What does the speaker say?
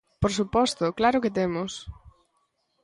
¡Por suposto, claro que temos!